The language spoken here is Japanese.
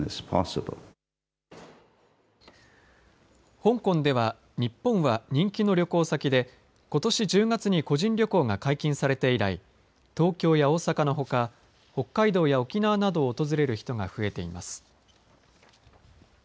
香港では日本は人気の旅行先でことし１０月に個人旅行が解禁されて以来東京や大阪のほか北海道や沖縄などを訪れる人が増えています。